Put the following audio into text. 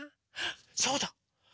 そうだ！